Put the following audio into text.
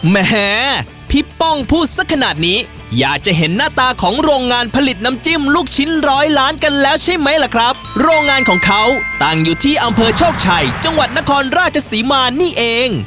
แหมพี่ป้องพูดสักขนาดนี้อยากจะเห็นหน้าตาของโรงงานผลิตน้ำจิ้มลูกชิ้นร้อยล้านกันแล้วใช่ไหมล่ะครับโรงงานของเขาตั้งอยู่ที่อำเภอโชคชัยจังหวัดนครราชศรีมานี่เอง